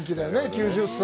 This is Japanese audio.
９０歳。